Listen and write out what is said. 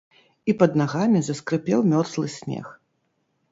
І пад нагамі заскрыпеў мёрзлы снег.